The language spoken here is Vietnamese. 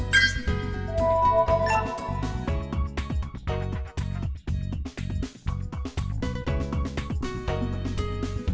hẹn gặp lại